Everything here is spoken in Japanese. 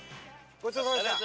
ごちそうさまでした。